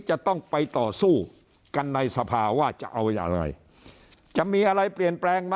จะต้องไปต่อสู้กันในสภาว่าจะเอาไงจะมีอะไรเปลี่ยน